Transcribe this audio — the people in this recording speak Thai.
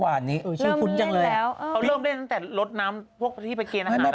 ปีนี้ไม่ค่อยมีน้ำนะดู